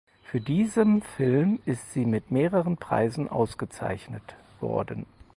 Für diesem Film ist sie mit mehreren Preisen ausgezeichnet worden.